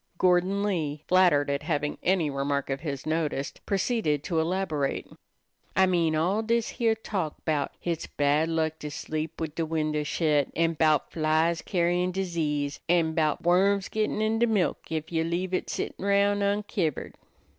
Gordon Lee, flattered at having any remark of his noticed, proceeded to elaborate. "I mean all dis heah talk 'bout hits bein' bad luck to sleep wid de windows shet, an' bout flies carrying disease, an' 'bout worms gittin' in de milk ef you leave it settin' roun' unkivered."